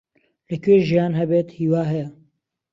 لەکوێ ژیان هەبێت، هیوا هەیە.